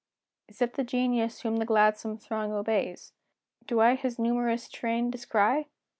Is it the genius whom the gladsome throng obeys? Do I his numerous train descry?